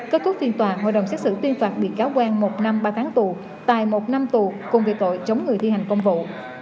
kết thúc phiên tòa hội đồng xét xử tuyên phạt bị cáo quang một năm ba tháng tù tài một năm tù cùng về tội chống người thi hành công vụ